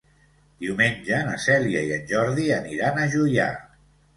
Diumenge na Cèlia i en Jordi aniran a Juià.